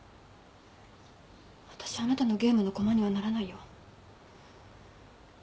わたしあなたのゲームの駒にはならないよ。